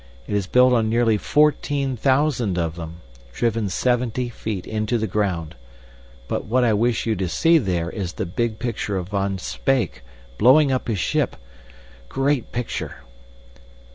It is built on nearly fourteen thousand of them, driven seventy feet into the ground. But what I wish you to see there is the big picture of Van Speyk blowing up his ship great picture."